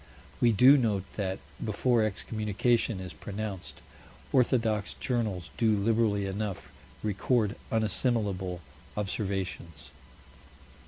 We do note that, before excommunication is pronounced, orthodox journals do liberally enough record unassimilable observations.